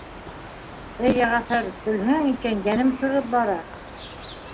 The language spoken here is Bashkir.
-Эй, Йәғәфәр, белһәң икән, йәнем сығып бара.